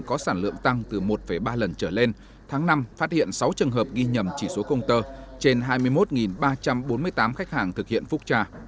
có sản lượng tăng từ một ba lần trở lên tháng năm phát hiện sáu trường hợp ghi nhầm chỉ số công tơ trên hai mươi một ba trăm bốn mươi tám khách hàng thực hiện phúc trà